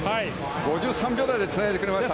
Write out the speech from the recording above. ５３秒台でつないでくれました。